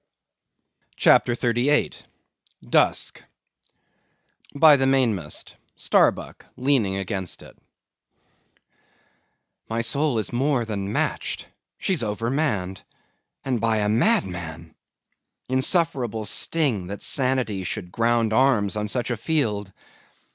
CHAPTER 38. Dusk. By the Mainmast; Starbuck leaning against it. My soul is more than matched; she's overmanned; and by a madman! Insufferable sting, that sanity should ground arms on such a field!